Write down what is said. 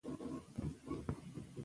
دی غواړي چې ولس له هر څه خبر وي.